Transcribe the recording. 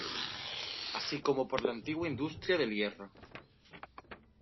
Así como por la antigua industria del hierro.